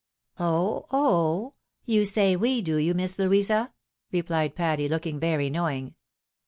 " Oh ! oh !— You say we, do you. Miss Louisa ?" rephed Patty, looking very knowing.